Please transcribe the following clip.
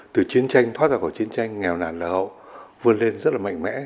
từ chiến tranh thoát ra khỏi chiến tranh nghèo nản lở hậu vươn lên rất là mạnh mẽ